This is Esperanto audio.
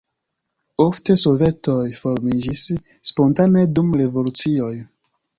Ofte sovetoj formiĝis spontane dum revolucioj.